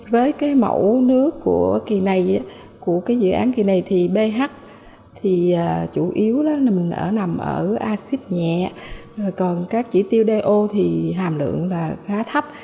với cái mẫu nước của dự án kỳ này thì ph thì chủ yếu là mình nằm ở acid nhẹ còn các chỉ tiêu do thì hàm lượng là khá thấp